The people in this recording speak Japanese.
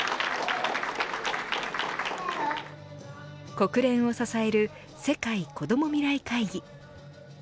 国連を支える世界こども未来会議。